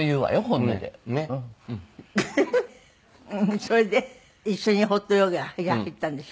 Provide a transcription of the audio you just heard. それで一緒にホットヨガやってきたんでしょ？